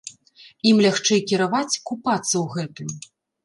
Ім лягчэй кіраваць, купацца ў гэтым.